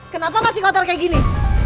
kenapa masih kotor kayak gini